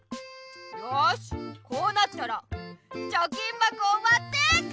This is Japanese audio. よしこうなったらちょきんばこをわって。